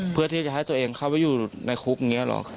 เพื่อที่จะให้ตัวเองเข้าไปอยู่ในคุกอย่างนี้หรอ